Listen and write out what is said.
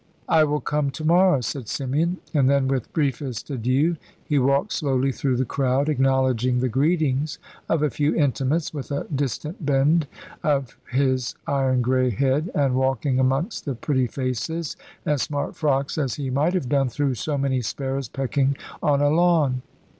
"I will come to morrow," said Symeon; and then, with briefest adieu, he walked slowly through the crowd, acknowledging the greetings of a few intimates with a distant bend of his iron grey head, and walking amongst the pretty faces and smart frocks as he might have done through so many sparrows pecking on a lawn.